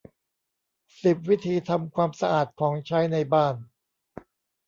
สิบ วิธีทำความสะอาดของใช้ในบ้าน